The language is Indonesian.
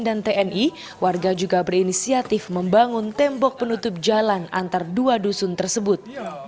dan tni warga juga berinisiatif membangun tembok penutup jalan antar dua dusun tersebut